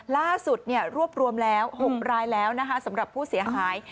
ล่าสุดรวบรวมแล้ว๖ร้ายสำหรับผู้เสียขาย